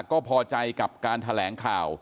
ก็พอใจกับการแถลงข่าว